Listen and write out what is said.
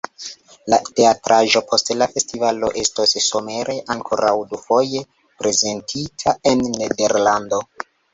La teatraĵo post la festivalo estos somere ankoraŭ dufoje prezentita en Nederlando.